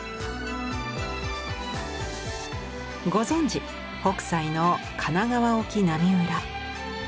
ご存じ北斎の「神奈川沖浪裏」。